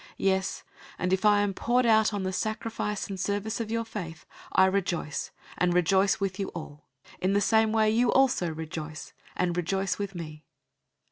002:017 Yes, and if I am poured out on the sacrifice and service of your faith, I rejoice, and rejoice with you all. 002:018 In the same way, you also rejoice, and rejoice with me.